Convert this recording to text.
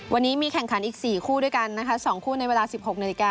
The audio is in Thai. วันนี้มีแข่งขันอีก๔คู่ด้วยกันนะคะ๒คู่ในเวลา๑๖นาฬิกา